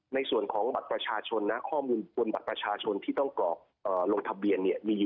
ในส่วนของบัตรประชาชนข้อมูลบนบัตรประชาชนที่ต้องกรอกลงทะเบียน